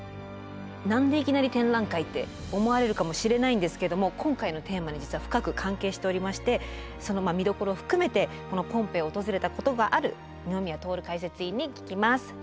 何でいきなり展覧会って思われるかもしれないんですけども今回のテーマに実は深く関係しておりましてその見どころを含めてこのポンペイを訪れたことがある二宮徹解説委員に聞きます。